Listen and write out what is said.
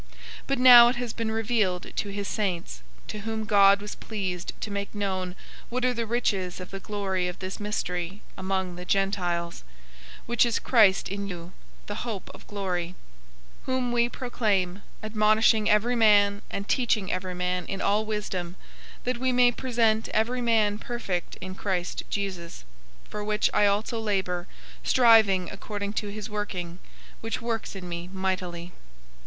But now it has been revealed to his saints, 001:027 to whom God was pleased to make known what are the riches of the glory of this mystery among the Gentiles, which is Christ in you, the hope of glory; 001:028 whom we proclaim, admonishing every man and teaching every man in all wisdom, that we may present every man perfect in Christ Jesus; 001:029 for which I also labor, striving according to his working, which works in me mightily.